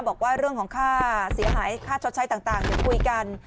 บอกว่าเรื่องของค่าเสียหายค่าชดใช้ต่างเดี๋ยวคุยกัน